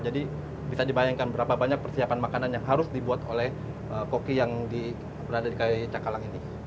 jadi bisa dibayangkan berapa banyak persiapan makanan yang harus dibuat oleh koki yang berada di kri cakalang ini